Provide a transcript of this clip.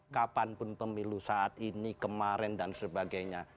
kapan pun pemilu saat ini kemarin dan sebagainya